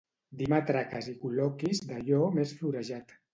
Dir matraques i col·loquis d'allò més florejat.